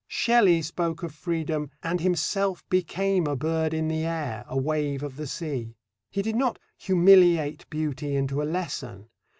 Shelley spoke of freedom and himself became a bird in the air, a wave of the sea. He did not humiliate beauty into a lesson.